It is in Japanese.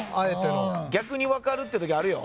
逆に分かるってときあるよ。